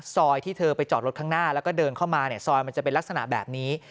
ที่เธอไปจอดรถข้างหน้าแล้วก็เดินเข้ามาเนี่ยซอยมันจะเป็นลักษณะแบบนี้